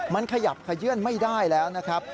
มันขยับขยื่นไม่ได้แล้วนะครับ